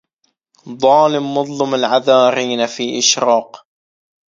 ظالم مظلم العذارين في إشراق